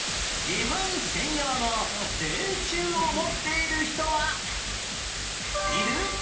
自分専用の電柱を持っている人はいる？